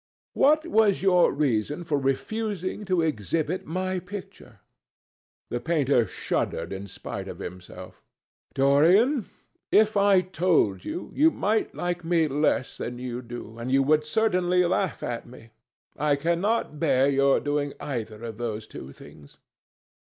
What was your reason for refusing to exhibit my picture?" The painter shuddered in spite of himself. "Dorian, if I told you, you might like me less than you do, and you would certainly laugh at me. I could not bear your doing either of those two things.